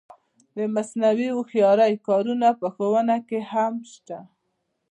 د مصنوعي هوښیارۍ کارونه په ښوونه کې هم شته.